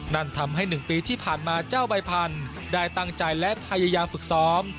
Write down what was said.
นั่นทำให้๑ปีที่ผ่านมาเจ้าใบพันธุ์ได้ตั้งใจและพยายามฝึกซ้อม